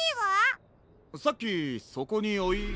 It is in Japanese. さっきそこにおいた。